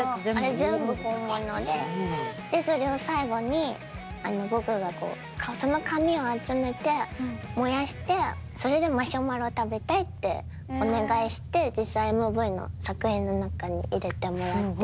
あれ全部本物ででそれを最後に僕がその紙を集めて燃やしてそれでマシュマロ食べたいってお願いして実際ＭＶの作品の中に入れてもらって。